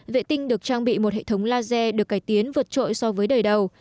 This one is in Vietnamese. vệ tinh được trang bị một hệ thống laser được cải tiến vượt trội so với đời đầu